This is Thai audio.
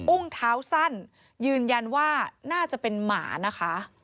อุ้งเท้าสั้นยืนยันว่าน่าจะเป็นหมานะคะ